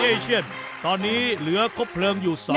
เอเชียนตอนนี้เหลือครบเพลิงอยู่๒